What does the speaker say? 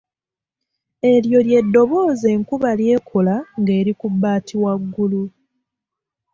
Eryo ly’eddoboozi enkuba ly’ekola ng’eri ku bbaati waggulu.